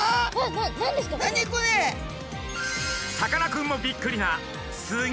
さかなクンもびっくりなす